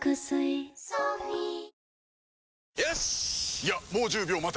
いやもう１０秒待て。